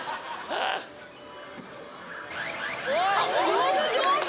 上手上手！